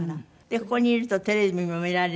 ここにいるとテレビも見られるし。